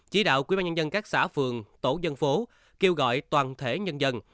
chỉ đạo quyên bàn nhân dân các xã phường tổ dân phố kêu gọi toàn thể nhân dân